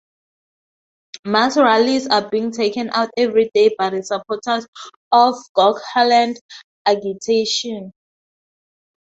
Mass rallies are being taken out everyday by the supporters of the Gorkhaland agitation.